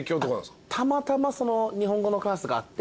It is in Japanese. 学校で日本語のクラスがあって。